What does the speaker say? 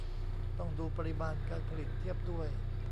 ต้องดูปริมาณการผลิตเทียบด้วย